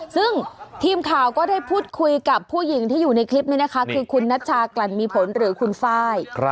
ซึ่งทีมข่าวก็ได้พูดคุยกับผู้หญิงที่อยู่ในคลิปนี้นะคะคือคุณนัชชากลั่นมีผลหรือคุณไฟล์